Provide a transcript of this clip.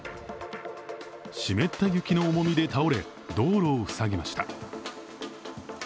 湿った雪の重みで倒れ、道路を塞ぎました。